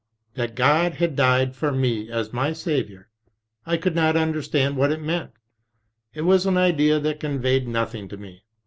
That God had died for me as my Saviour, — I could not understand what it meant; it was an idea that conveyed nothing to me.